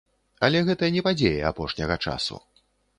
Але гэта не падзеі апошняга часу.